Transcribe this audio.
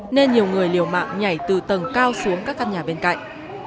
nên nhiều người liều mạng nhảy từ tầng cao xuống các căn nhà bên cạnh